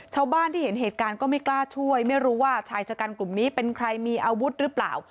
ชาวบ้านที่เห็นเหตุการณ์ก็ไม่กล้าช่วยไม่รู้ว่าชายชะกันกลุ่มนี้เป็นใครมีอาวุธหรือเปล่า